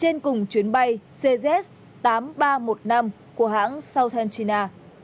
đến cùng chuyến bay cz tám nghìn ba trăm một mươi năm của hãng south hanchina